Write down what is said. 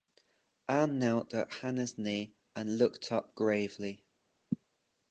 Anne knelt at Hana’s knee and looked up gravely.